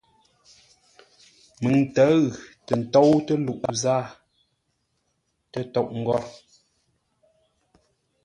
Məŋ ntə̌ʉ tə́ ntóutə́ luʼú zâa tə́tóʼ-ngôr.